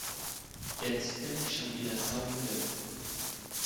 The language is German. Jetzt bin ich schon wieder saumüde!